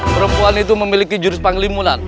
perempuan itu memiliki jurus panglimunan